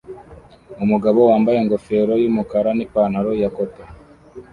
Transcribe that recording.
Umugabo wambaye ingofero yumukara nipantaro ya cotoon